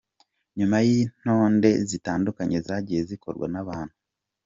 Nyuma yintonde zitandukanye zagiye zikorwa nabantu.